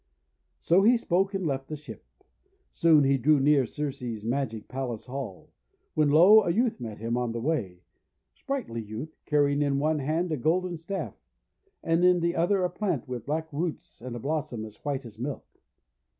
So he spoke, and left the ship. Soon he drew near to Circe's magic palace hall. When, lo! a youth met him on the way, a sprightly youth, carrying in one hand a golden staff, and in the other a plant with black roots and a blossom as white as milk.